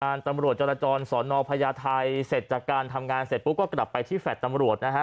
ตำรวจจรจรสอนอพญาไทยเสร็จจากการทำงานเสร็จปุ๊บก็กลับไปที่แฟลต์ตำรวจนะฮะ